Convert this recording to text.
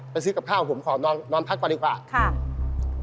ซื้อกับข้าวผมขอนอนนอนพักก่อนดีกว่าค่ะ